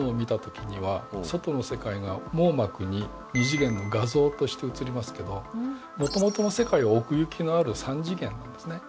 ２次元の画像として映りますけどもともとの世界は奥行きのある３次元なんですね